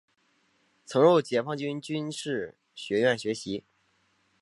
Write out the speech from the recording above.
曾入解放军军事学院学习。